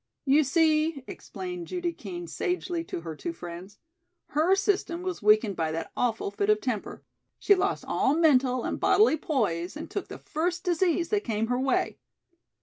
"You see," explained Judy Kean sagely to her two friends, "her system was weakened by that awful fit of temper; she lost all mental and bodily poise and took the first disease that came her way."